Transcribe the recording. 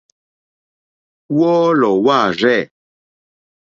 Wɔ́ɔ́lɔ̀ wâ rzɛ̂.